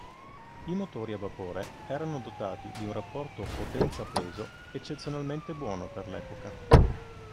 I motori a vapore erano dotati di un rapporto potenza-peso eccezionalmente buono per l'epoca.